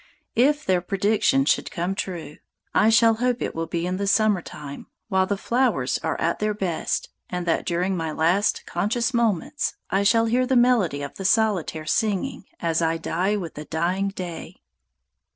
If their prediction should come true, I shall hope it will be in the summer time, while the flowers are at their best, and that during my last conscious moments I shall hear the melody of the solitaire singing as I die with the dying day.